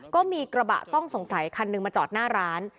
ก็มีกระบะต้องสงสัยคันหนึ่งมาจอดหน้าร้าน